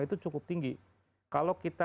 itu cukup tinggi kalau kita